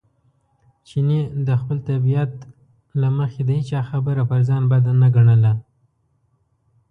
چیني د خپلې طبیعت له مخې د هېچا خبره پر ځان بد نه ګڼله.